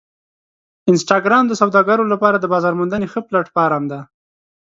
انسټاګرام د سوداګرو لپاره د بازار موندنې ښه پلیټفارم دی.